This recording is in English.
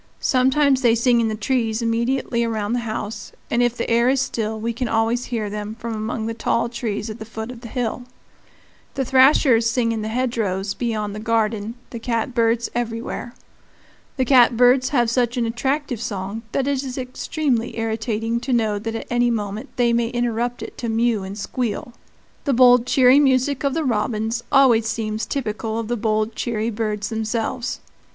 Sometimes they sing in the trees immediately around the house, and if the air is still we can always hear them from among the tall trees at the foot of the hill. The thrashers sing in the hedgerows beyond the garden, the catbirds everywhere. The catbirds have such an attractive song that it is extremely irritating to know that at any moment they may interrupt it to mew and squeal. The bold, cheery music of the robins always seems typical of the bold, cheery birds themselves.